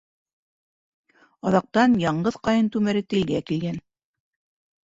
Аҙаҡтан, яңғыҙ ҡайын түмәре телгә килгән: